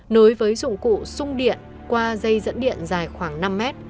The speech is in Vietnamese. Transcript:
nối với dụng cụ sung điện qua dây dẫn điện dài khoảng năm mét